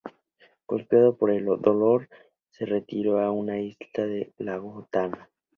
Golpeado por el dolor, se retiró a una isla en Lago Tana.